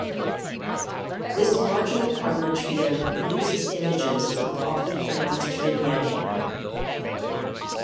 This marginal coverage field produces images with often pronounced vignetting.